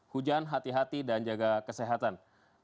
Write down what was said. hujan hati hati dan jaga kesehatan